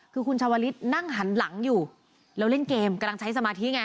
คือคุณชาวลิศนั่งหันหลังอยู่แล้วเล่นเกมกำลังใช้สมาธิไง